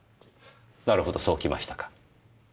なるほどそうきましたか。